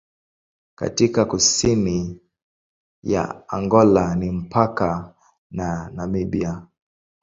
Katika kusini ya Angola ni mpaka na Namibia.